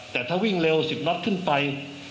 แต่ถ้าวิ่งเร็ว๑๐น็อตขึ้นไป